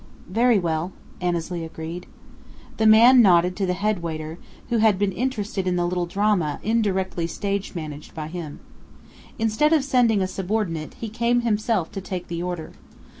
"Very well," Annesley agreed. The man nodded to the head waiter, who had been interested in the little drama indirectly stage managed by him. Instead of sending a subordinate, he came himself to take the order.